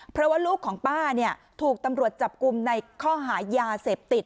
เพราะว่าลูกของป้าเนี่ยถูกตำรวจจับกลุ่มในข้อหายาเสพติด